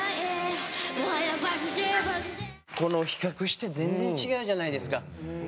比較して全然違うじゃないですか。